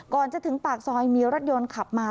ก่อนจะถึงปากซอยมีรถยนต์ขับมา